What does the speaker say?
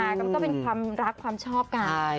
ก็มันก็เป็นความรักความชอบกัน